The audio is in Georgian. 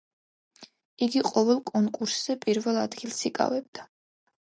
იგი ყოველ კონკურსზე პირველ ადგილს იკავებდა.